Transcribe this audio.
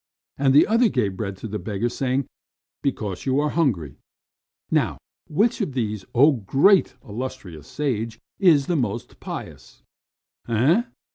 And the other gave bread to the beggar, saying: 'Because you are hungry.' Now, which of these, oh, most illustrious sage, is the more pious man?" "Eh?"